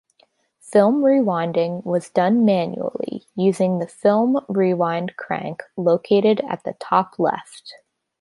Film rewinding was done manually using the film-rewind crank located at the top left.